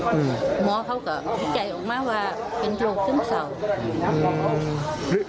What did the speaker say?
หมอเขาก็วิจัยออกมาว่าเป็นโรคซึมเศร้า